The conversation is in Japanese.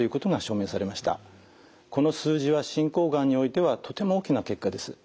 この数字は進行がんにおいてはとても大きな結果です。